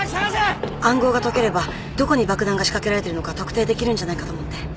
暗号が解ければどこに爆弾が仕掛けられてるのか特定できるんじゃないかと思って。